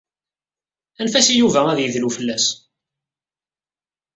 Anef-as i Yuba ad yedlu fell-as.